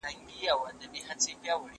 زه هره ورځ د سبا لپاره د هنرونو تمرين کوم..